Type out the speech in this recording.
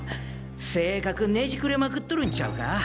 性格ねじくれまくっとるんちゃうか？